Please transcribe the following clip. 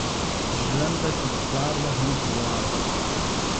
ژېرنده که ده پلار ده هم په وار ده